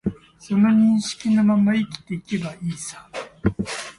その認識のまま生きていけばいいさ